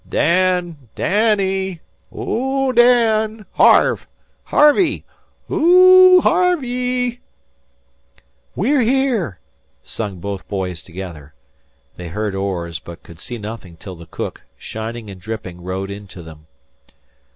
"Dan! Danny! Oooh, Dan! Harve! Harvey! Oooh, Haarveee!" "We're here," sung both boys together. They heard oars, but could see nothing till the cook, shining and dripping, rowed into them.